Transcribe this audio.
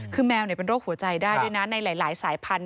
คือแมวเนี่ยเป็นโรคหัวใจได้ด้วยนะ